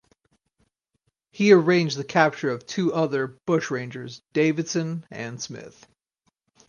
He arranged the capture of two other bushrangers Davidson and Smith.